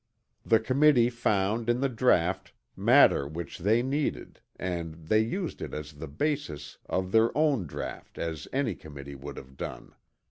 The committee found in the draught matter which they needed and they used it as the basis of their own draught as any committee would have done.